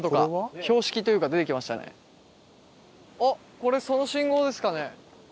あっこれその信号ですかね？